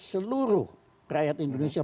seluruh rakyat indonesia